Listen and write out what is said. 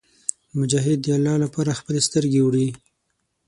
مجاهد د الله لپاره خپلې سترګې وړي.